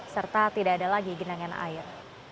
serta tidak ada lagi genangan air